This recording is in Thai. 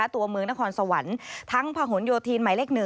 ตัวเมืองนครสวรรค์ทั้งผนโยธินหมายเลข๑